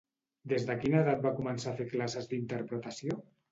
Des de quina edat va començar a fer classes d'interpretació?